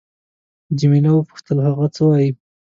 جميله وپوښتل: هغه څه وایي؟